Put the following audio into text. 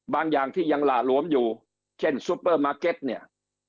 อย่างที่ยังหล่าหลวมอยู่เช่นซุปเปอร์มาร์เก็ตเนี่ย